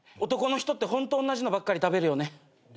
男の人ってホント同じのばっかり食べるよね。